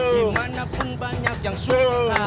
dimanapun banyak yang suka